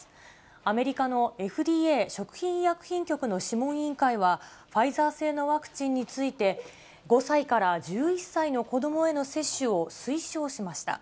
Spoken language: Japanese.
アメリカのＦＤＡ・食品医薬品局の諮問委員会は、ファイザー製のワクチンについて、５歳から１１歳の子どもへの接種を推奨しました。